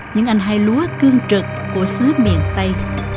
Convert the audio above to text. những anh hay lúa cương trực của xứ miền tây